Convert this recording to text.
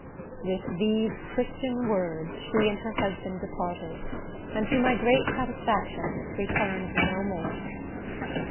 With these Christian words she and her husband departed, and, to my great satisfaction, returned no more.